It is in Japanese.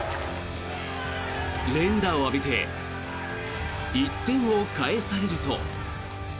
連打を浴びて１点を返されると。